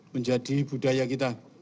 menjadi budaya kita